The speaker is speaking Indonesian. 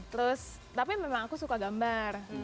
terus tapi memang aku suka gambar